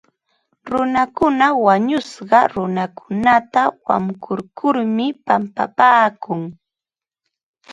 Runakuna wañushqa runakunata wankurkurmi pampapaakun.